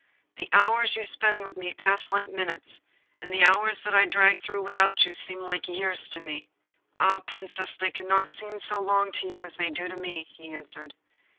The hours you spend with me pass like minutes, and the hours that I drag through without you seem years to me.' 'Ah, Princess, they cannot seem so long to you as they do to me!' he answered.